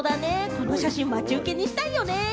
この写真、待ち受けにしたいよね！